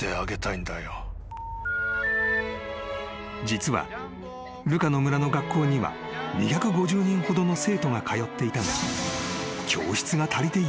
［実はルカの村の学校には２５０人ほどの生徒が通っていたが］